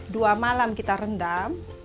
dua malam kita rendam